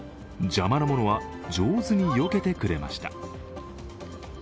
邪魔なものは上手によけてくれました。